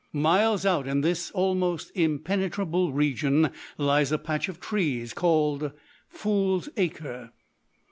"Miles out in this almost impenetrable region lies a patch of trees called Fool's Acre.